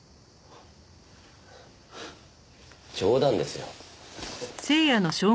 冗談ですよ。